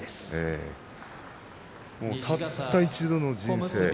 たった一度の人生